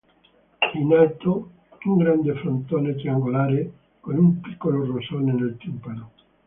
In alto un grande frontone triangolare con un piccolo rosone nel timpano.